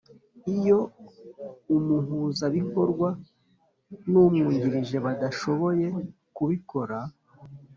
Iyo Umuhuzabikorwa n Umwungirije badashoboye kubikora